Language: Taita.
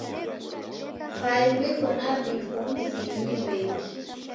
W'ai w'iko na vifu mzinyi ni w'engi.